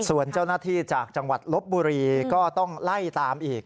ส่วนเจ้าหน้าที่จากจังหวัดลบบุรีก็ต้องไล่ตามอีก